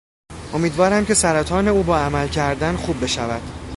امیدوارم که سرطان او با عمل کردن خوب بشود.